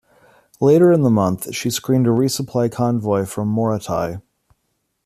Later in the month, she screened a resupply convoy from Morotai.